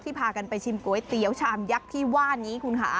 พากันไปชิมก๋วยเตี๋ยวชามยักษ์ที่ว่านี้คุณค่ะ